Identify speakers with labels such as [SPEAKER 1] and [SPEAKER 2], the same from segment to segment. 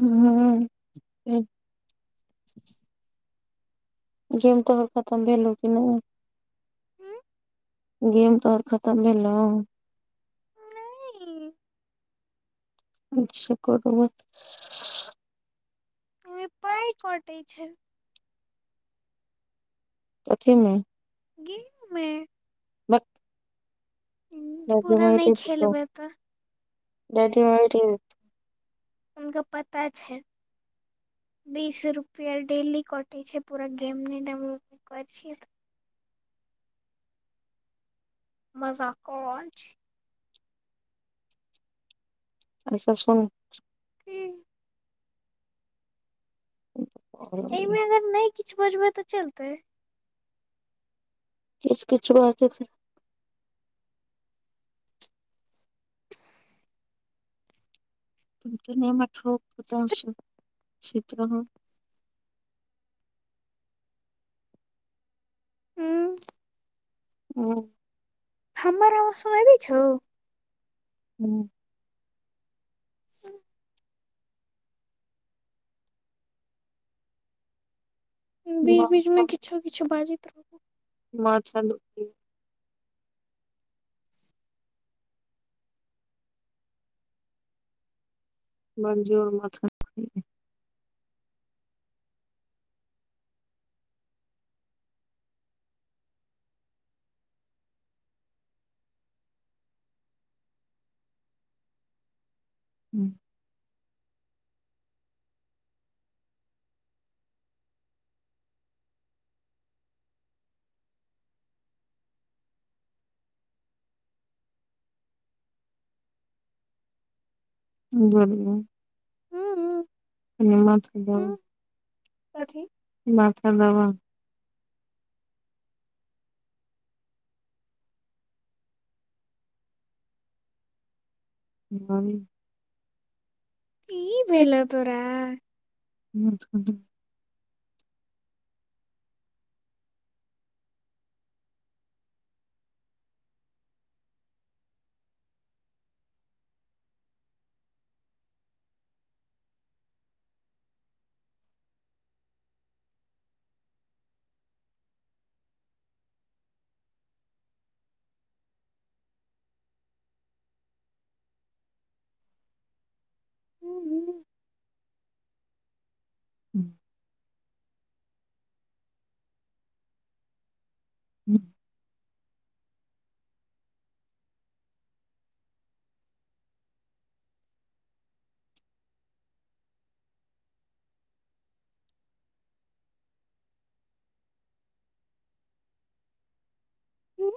[SPEAKER 1] हुँ गेम तोहर खतम भेलो की नइ गेम तोहर खतम भेलहु
[SPEAKER 2] नई
[SPEAKER 1] [unintelligible]
[SPEAKER 2] ओमे पाइ कटै छै
[SPEAKER 1] कथीमे
[SPEAKER 2] गेम मे
[SPEAKER 1] भक
[SPEAKER 2] पूरा नइ खेलबै तऽ हुनका पता छै बीस रुपया डेली कटे छै पूरा गेम नइ डेनलोड करै छिय तऽ मजाक क रहल छी
[SPEAKER 1] अच्छह सुन
[SPEAKER 2] की
[SPEAKER 1] [inaudible]
[SPEAKER 2] किछ बजबै तऽ चलतै
[SPEAKER 1] किछ किछ बाते सँ तनीमे ठोक बता छै तहन
[SPEAKER 2] हूँ
[SPEAKER 1] [unintelligible]
[SPEAKER 2] हमर अबाज सुनै दै छौ
[SPEAKER 1] हूँ
[SPEAKER 2] [unintelligible] बीच बीचमे किछो किछो बाजैत रह
[SPEAKER 1] माथा दुःखा बरी जोर माथा हू बुझलिये
[SPEAKER 2] हुँ हुँ
[SPEAKER 1] कनि हमरा माथ क दबा कभि माथा कऽ दवा [unintelligible]
[SPEAKER 2] की भेलै तोरा
[SPEAKER 1] [unintelligible]
[SPEAKER 2] हूँ हूँ
[SPEAKER 1] हूँ हूँ
[SPEAKER 2] हूँ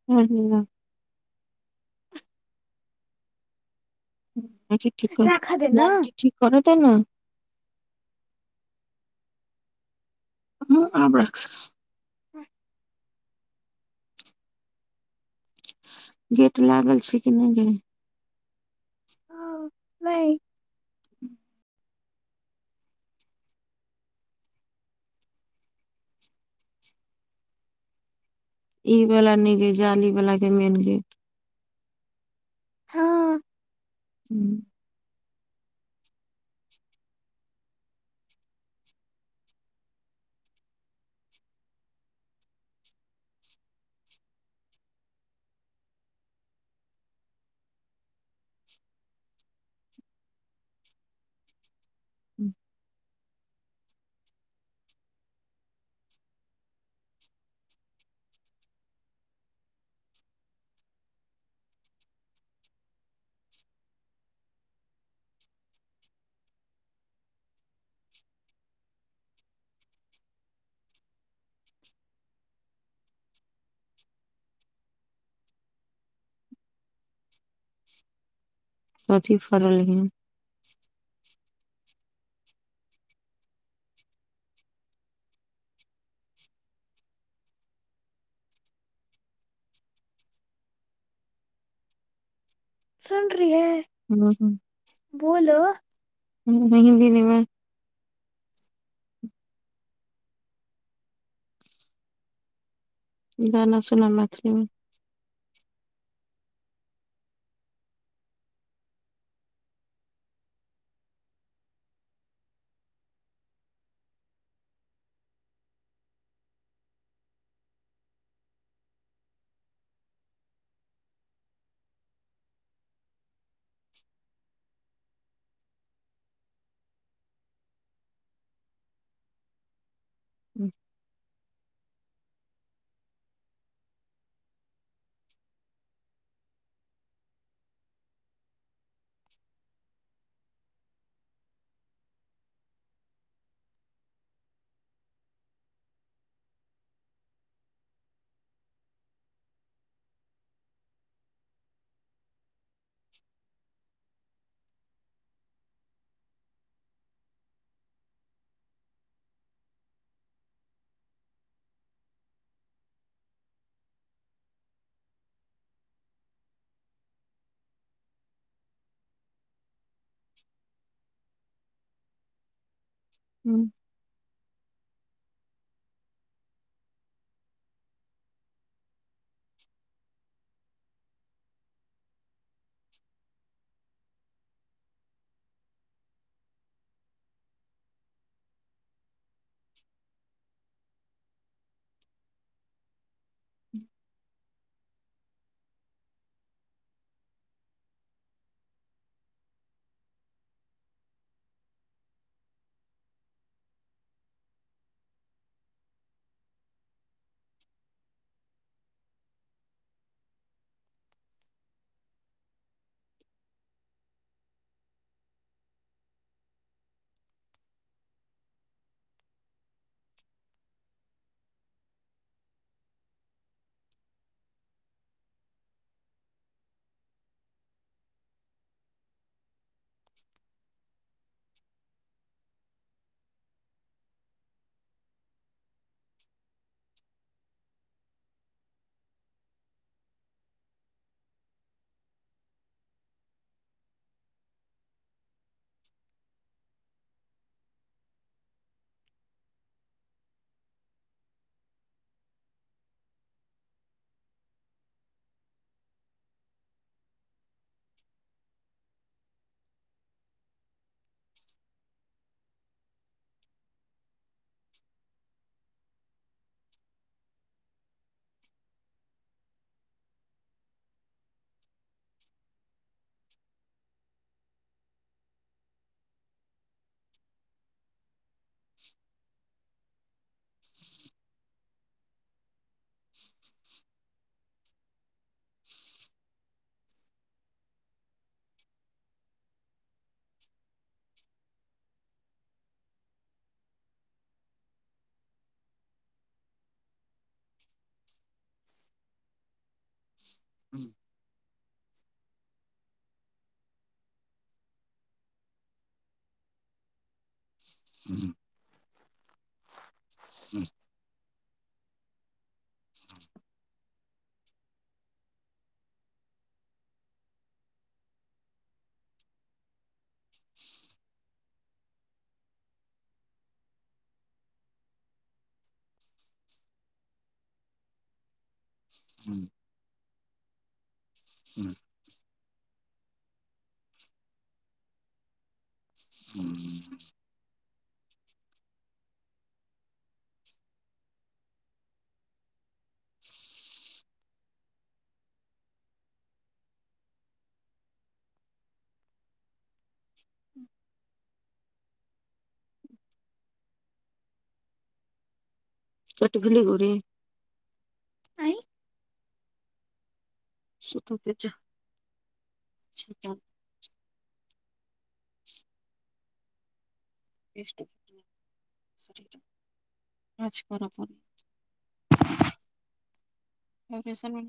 [SPEAKER 1] [unintelligible] ठीक कर ल ठीक कर तऽ ने [unintelligible]
[SPEAKER 2] हँ
[SPEAKER 1] गेट लागल छै कि नइ गै
[SPEAKER 2] हँ नइ
[SPEAKER 1] ई वाला न गे जाली वाला गेऽ मेन गेट हुँ ह्म कथी फड़लही [unintelligible] गाना सुना मैथिलीमे [inaudible] हूँ [inaudible] [inaudible] [inaudible] [inaudible] [inaudible] हू हुँ हुँ हँ हूँ [unintelligible]
[SPEAKER 2] ह्म
[SPEAKER 1] कट गिली गोरी
[SPEAKER 2] आइ
[SPEAKER 1] सुतअ दे गे चल नऽ [inaudible] एटोक काज कर प [unintelligible] ओऑपेशनमे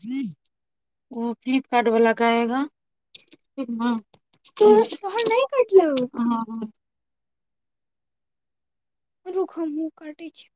[SPEAKER 1] ह ओ फ्लिपकार्ट वलाा क आएगा [unintelligible]
[SPEAKER 2] रूक हमहु काटै छी